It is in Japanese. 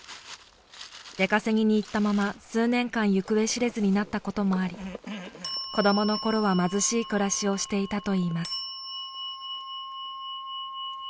出稼ぎに行ったまま数年間行方知れずになったこともあり子どものころは貧しい暮らしをしていたといいます。